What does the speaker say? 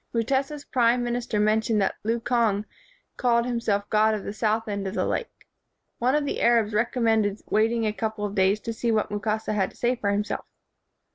Mutesa 's prime minister mentioned that Lukonge called himself god of the south end of the lake. One of the Arabs recommended waiting a couple of days to see what Mukasa had to say for himself.